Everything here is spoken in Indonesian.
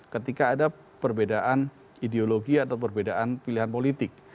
ketika ada perbedaan ideologi atau perbedaan pilihan politik